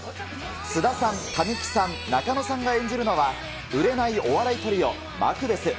菅田さん、神木さん、仲野さんが演じるのは、売れないお笑いトリオ、マクベス。